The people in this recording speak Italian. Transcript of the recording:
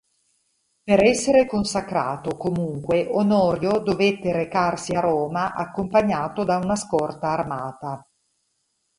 Per essere consacrato, comunque, Onorio dovette recarsi a Roma accompagnato da una scorta armata.